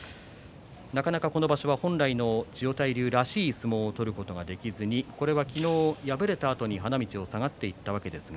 なかなか、この場所は本来の千代大龍らしい相撲を取ることができずにこれは昨日敗れたあと花道を下がっていく姿です。